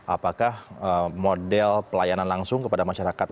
apakah model pelayanan langsung kepada masyarakat